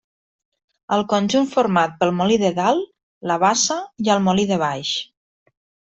El conjunt format pel molí de Dalt, la bassa i el molí de Baix.